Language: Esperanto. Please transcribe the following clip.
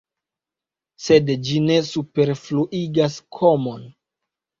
Sed ĝi ne superfluigas komon.